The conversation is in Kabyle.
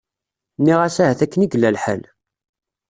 Nniɣ-as ahat akken i yella lḥal.